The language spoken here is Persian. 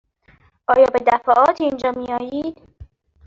آیا به دفعات اینجا می آیید؟